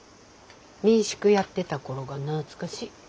民宿やってた頃が懐かしい。